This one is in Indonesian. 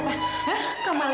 jangan ada apa sih